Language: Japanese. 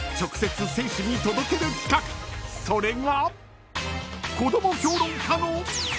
［それが］